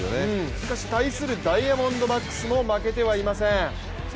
しかし対するダイヤモンドバックスも負けてはいません。